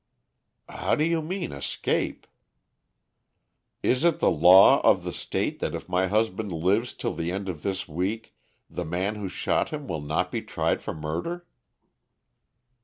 "How do you mean, escape?" "Is it the law of the State that if my husband lives till the end of this week, the man who shot him will not be tried for murder?"